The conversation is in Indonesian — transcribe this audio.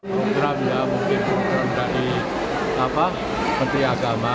bergeraknya mungkin bergerak dari menteri agama